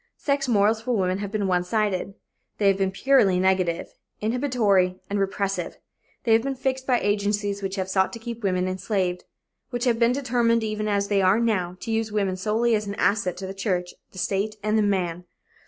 Sex morals for women have been one sided; they have been purely negative, inhibitory and repressive. They have been fixed by agencies which have sought to keep women enslaved; which have been determined, even as they are now, to use woman solely as an asset to the church, the state and the man.